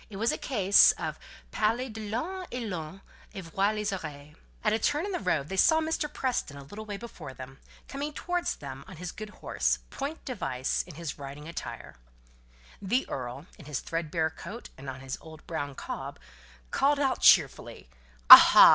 It was a case of parler de l'ëne et l'on en voit les oreilles. At a turn in the road they saw Mr. Preston a little way before them, coming towards them on his good horse, point device, in his riding attire. The earl, in his thread bare coat, and on his old brown cob, called out cheerfully, "Aha!